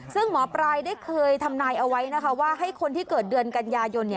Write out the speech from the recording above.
ซึ่งหมอปลายได้เคยทำนายเอาไว้นะคะว่าให้คนที่เกิดเดือนกันยายน